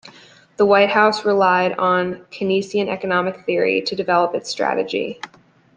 The White House relied on Keynesian economic theory to develop its strategy.